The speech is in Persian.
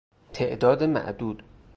تعداد معدود